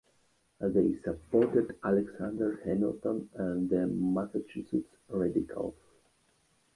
They supported Alexander Hamilton and the Massachusetts radicals.